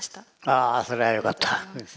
あそれはよかった。